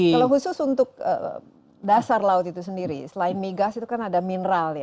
kalau khusus untuk dasar laut itu sendiri selain migas itu kan ada mineral ya